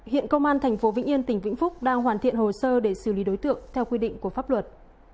hiện công an tp vĩnh yên tỉnh vĩnh phúc đang hoàn thiện hồ sơ để xử lý đối tượng theo quy định của pháp luật